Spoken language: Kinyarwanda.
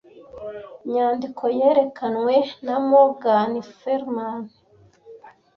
Inyandiko yerekanwe na Morgan Freeman.